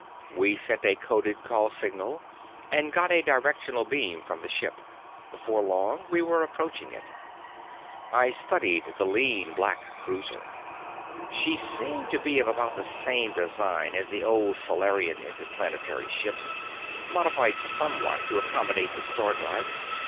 We sent a coded call signal and got a directional beam from the ship. Before long we were approaching it. I studied the lean black cruiser. She seemed to be of about the same design as the old Solarian interplanetary ships, modified somewhat to accommodate the star drive.